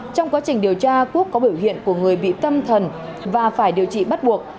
trong quá trình điều tra quốc có biểu hiện của người bị tâm thần và phải điều trị bắt buộc